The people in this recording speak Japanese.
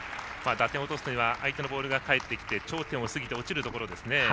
打点を落とすというのは相手のボールが返ってきて頂点を過ぎて落ちるところですね。